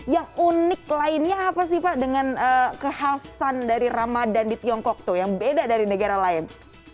yang unik lainnya apa sih pak dengan kekhasan dari ramadan di tiongkok tuh yang beda dari negara lain